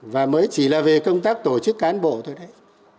và mới chỉ là về công tác tổ chức cán bộ thôi đấy